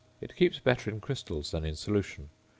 It keeps better in crystals than in solution.